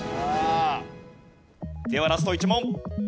ではラスト１問。